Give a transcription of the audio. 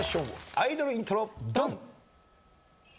アイドルイントロドン！